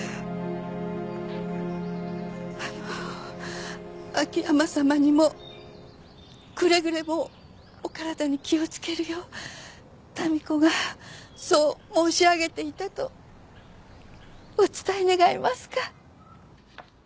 あの秋山さまにもくれぐれもお体に気を付けるよう民子がそう申し上げていたとお伝え願いますか？